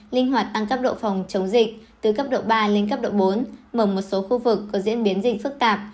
linh hoạt tăng cấp độ phòng chống dịch từ cấp độ ba lên cấp độ bốn mở một số khu vực có diễn biến gì phức tạp